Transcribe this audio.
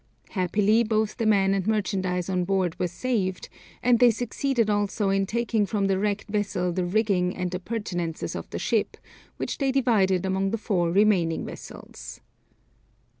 Happily both the men and merchandise on board were saved, and they succeeded also in taking from the wrecked vessel the rigging and appurtenances of the ship, which they divided among the four remaining vessels.